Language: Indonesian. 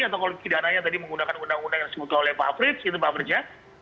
atau kalau pidananya tadi menggunakan undang undang yang disebutkan oleh pak frits gitu pak frits